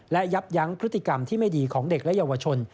และยับยั้งพฤติกรรมที่ไม่ดีของเด็กและเยาวชน